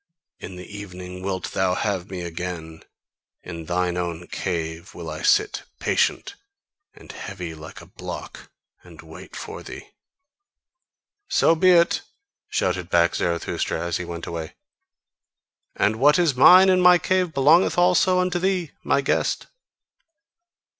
In the evening wilt thou have me again: in thine own cave will I sit, patient and heavy like a block and wait for thee!" "So be it!" shouted back Zarathustra, as he went away: "and what is mine in my cave belongeth also unto thee, my guest!